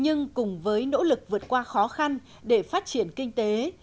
nhưng cùng với nỗ lực vượt qua khó khăn để phát triển kinh tế